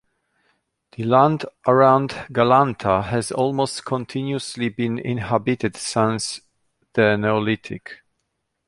The land around Galanta has almost continuously been inhabited since the neolithic.